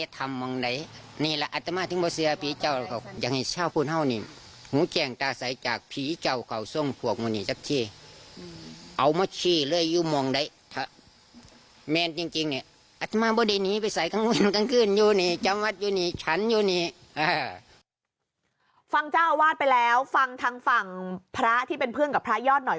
ฟังเจ้าอาวาสไปแล้วฟังทางฝั่งพระที่เป็นเพื่อนกับพระยอดหน่อย